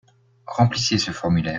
Remplissez ce formulaire.